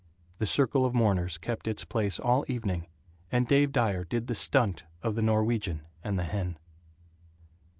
The circle of mourners kept its place all evening, and Dave Dyer did the "stunt" of the Norwegian and the hen.